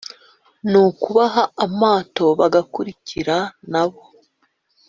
nukubaha amato bagakurikira nabo